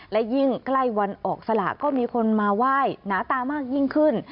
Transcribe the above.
และยิ่งใกล้วันออกสละก็มีคนมาไหว้หนาตามากยิ่งขึ้น